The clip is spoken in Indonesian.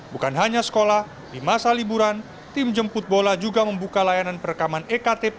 bukan hanya sekolah di masa liburan tim jemput bola juga membuka layanan perekaman ektp